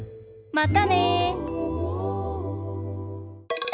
またね！